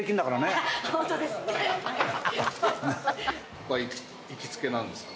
ここは行きつけなんですか？